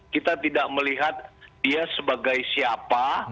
kita tidak melihat dia sebagai siapa